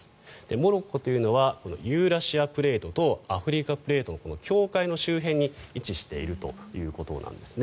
モロッコというのはユーラシアプレートとアフリカプレートのこの境界の周辺に位置しているということなんですね。